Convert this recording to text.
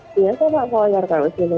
biasa pak koyor kalau di sini pak